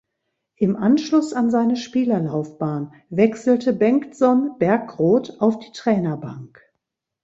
Im Anschluss an seine Spielerlaufbahn wechselte Bengtsson-Bärkroth auf die Trainerbank.